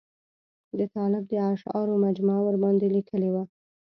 د طالب د اشعارو مجموعه ورباندې لیکلې وه.